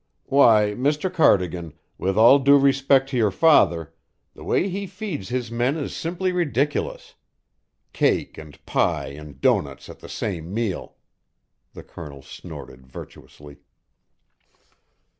Why, Mr Cardigan, with all due respect to your father, the way he feeds his men is simply ridiculous! Cake and pie and doughnuts at the same meal!" The Colonel snorted virtuously.